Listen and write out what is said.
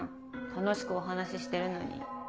楽しくお話ししてるのに。